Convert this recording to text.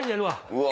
うわ！